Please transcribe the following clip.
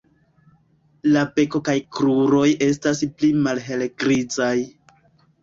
La beko kaj kruroj estas pli malhelgrizaj.